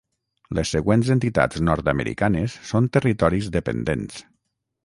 Les següents entitats nord-americanes són territoris dependents.